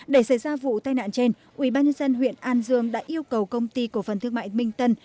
để xảy ra vụ tai nạn trên ubnd huyện an dương đã yêu cầu công ty cổ phần thương mại minh tân